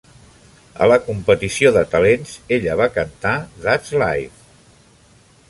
A la competició de talents, ella va cantar "That's Life".